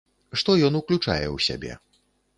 Што ён уключае ў сябе?